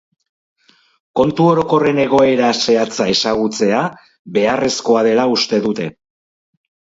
Kontu orokorren egoera zehatza ezagutzea beharrezkoa dela uste dute.